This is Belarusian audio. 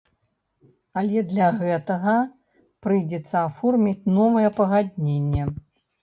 Але для гэтага прыйдзецца аформіць новае пагадненне.